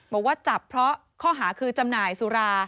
บอกว่าจับเพราะข้อหาคือจำหน่ายสุรา